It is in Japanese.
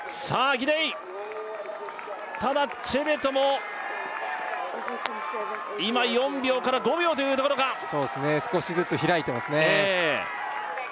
ギデイただチェベトも今４秒から５秒というところかそうですね少しずつ開いてますね